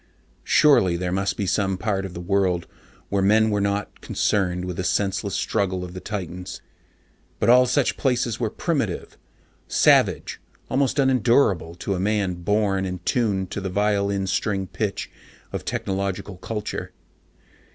Surely there must be some part of the world where men were not concerned with the senseless struggle of the titans. But all such places were primitive, savage, almost unendurable to a man born and tuned to the violin string pitch of technological culture.